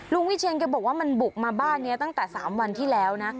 ลุงพี่เชียงก็บอกว่ามันบุกมาบ้านเนี้ยตั้งแต่สามวันที่แล้วนะ